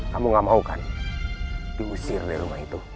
kamu gak mau kan diusir dari rumah itu